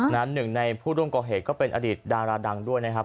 หนึ่งในผู้ร่วมก่อเหตุก็เป็นอดีตดาราดังด้วยนะครับ